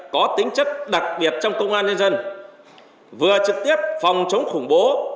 có tính chất đặc biệt trong công an nhân dân vừa trực tiếp phòng chống khủng bố